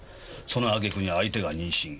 その揚げ句に相手が妊娠。